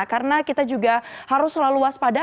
karena kita juga harus selalu waspada